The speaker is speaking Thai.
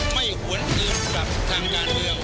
ไม่หวนอื่นสำหรับทางงานเดียว